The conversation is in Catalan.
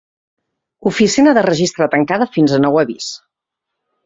Oficina de registre tancada fins a nou avís.